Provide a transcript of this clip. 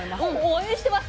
応援してます！